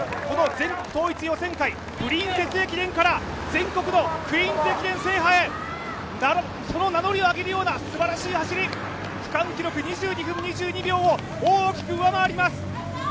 ２００６年の駅伝日本一・資生堂が全国統一予選会、「プリンセス駅伝」から全国の「クイーンズ駅伝」制覇へその名乗りを上げるようなすばらしい走り区間記録２２分２２秒を大きく上回ります。